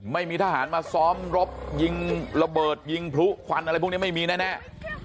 ไม่มีทหารมาซ้อมรบยิงระเบิดยิงพลุควันอะไรพวกนี้ไม่มีแน่